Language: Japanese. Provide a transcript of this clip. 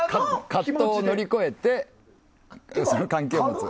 葛藤を乗り越えて関係を持つ。